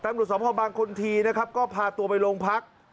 เมื่อกี้นะครับก็พาตัวไปลงพัก